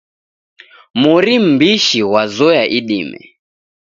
Mori mmbisho ghwazoya idime.